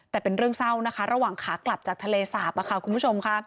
แต่เป็นเรื่องเศร้านะคะระหว่างขากลับจากทะเลสาปค่ะคุณผู้ชมค่ะ